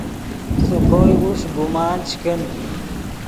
سے کوئے اوݰک گمان چے کن